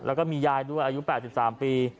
แล้วก็มียายด้วยอายุ๘๓ปี